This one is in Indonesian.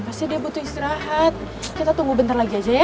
pasti dia butuh istirahat kita tunggu bentar lagi aja ya